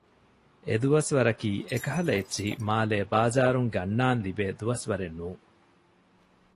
އެ ދުވަސްވަރަކީ އެކަހަލަ އެއްޗެހި މާލޭ ބާޒާރުން ގަންނާން ލިބޭ ދުވަސްވަރެއް ނޫން